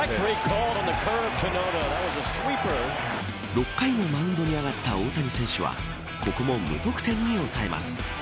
６回もマウンドに上がった大谷選手はここも無得点に抑えます。